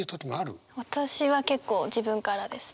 私は結構自分からです。